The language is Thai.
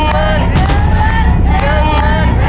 เยี่ยม